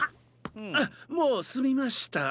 あもうすみました。